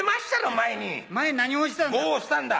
前に何押したんだ？